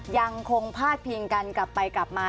ยังคงพาดพิงกันกลับไปกลับมา